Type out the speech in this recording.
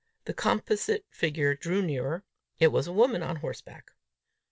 The composite figure drew nearer: it was a woman on horseback.